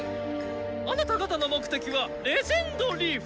あなた方の目的は「レジェンドリーフ」。